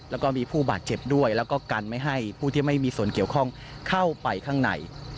แล้วก็มีผู้บาดเจ็บด้วยแล้วก็กันไม่ให้ผู้ที่ไม่มีส่วนเกี่ยวข้องเข้าไปข้างใน